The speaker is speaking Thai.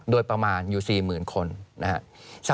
โดยประมาณอยู่๔หมื่นคนนะฮะ